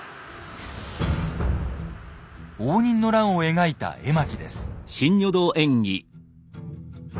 応仁の乱を描いた絵巻です。